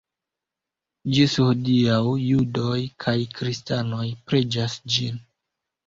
Ĝis hodiaŭ judoj kaj kristanoj preĝas ĝin.